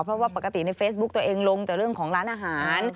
เพราะว่าปกติในเฟซบุ๊กตัวเองลงแต่เรื่องของร้านอาหาร